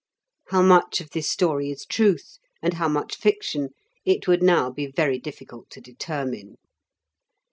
How much of this story is truth, and how much fiction, it would now be very difficult to determine.